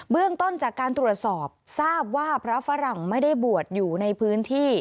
เรื่องต้นจากการตรวจสอบทราบว่าพระฝรั่งไม่ได้บวชอยู่ในพื้นที่